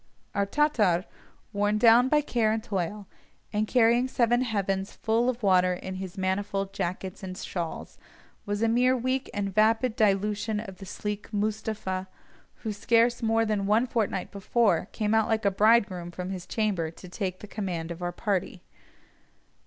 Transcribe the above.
Our Tatar, worn down by care and toil, and carrying seven heavens full of water in his manifold jackets and shawls, was a mere weak and vapid dilution of the sleek Moostapha, who scarce more than one fortnight before came out like a bridegroom from his chamber to take the command of our party.